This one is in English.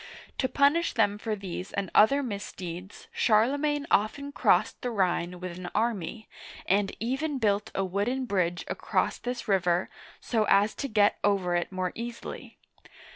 To punish them for these and other misdeeds Charlemagne often crossed the Rhine with an Charlemagne's Empire. army, and even built a wooden bridge across this river so as to get over it more easily.